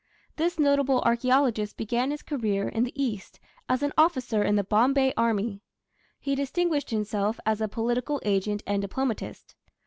This notable archaeologist began his career in the East as an officer in the Bombay army. He distinguished himself as a political agent and diplomatist.